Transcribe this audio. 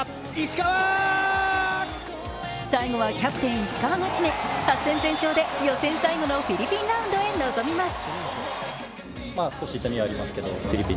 最後はキャプテン・石川が締め、８戦全勝で予選最後のフィリピンラウンドへ臨みます。